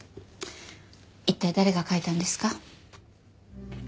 一体誰が書いたんですか？